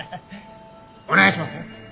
お願いしますよ。